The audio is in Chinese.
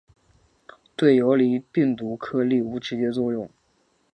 对游离病毒颗粒无直接作用。